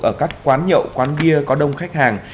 ở các quán nhậu quán bia có đông khách hàng